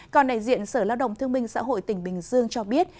còn đại diện sở lao động thương minh xã hội tỉnh bình dương cho biết